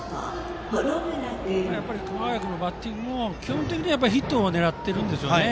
熊谷君のバッティングもヒットを狙っているんですよね。